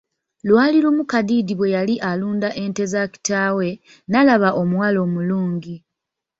Lwali lumu Kadiidi bwe yali ng'alunda ente z'akitaawe, n'alaba omuwala omulungi.